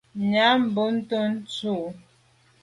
Nya bùnte ndù.